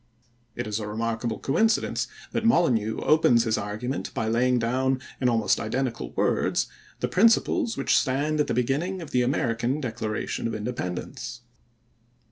It is a remarkable coincidence that Molyneux opens his argument by laying down in almost identical words the principles which stand at the beginning of the American Declaration of Independence.